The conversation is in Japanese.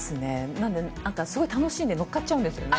なんかすごい楽しいんで、乗っかっちゃうんですよね。